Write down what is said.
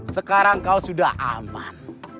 sekarang kau sudah aman